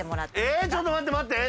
えちょっと待って待って。